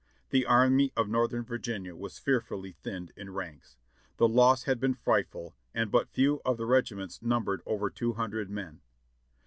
The Army of Northern Virginia was fearfully thinned in ranks. The loss had been frightful and but few of the regiments num bered over two hundred men.